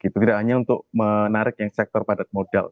tidak hanya untuk menarik yang sektor padat modal